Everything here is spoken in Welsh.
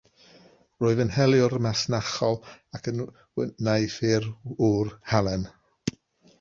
Roedd yn heliwr masnachol ac yn wneuthurwr halen.